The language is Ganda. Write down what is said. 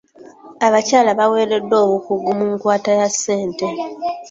Abakyala baweereddwa obukugu mu nkwata ya ssente.